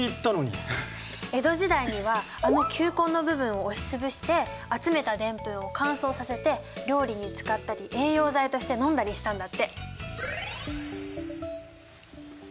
江戸時代にはあの球根の部分を押しつぶして集めたデンプンを乾燥させて料理に使ったり栄養剤として飲んだりしたんだって。